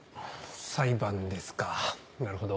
裁判ですかぁなるほど。